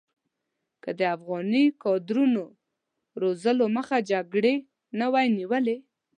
که د افغاني کادرونو روزلو مخه جګړې نه وی نیولې.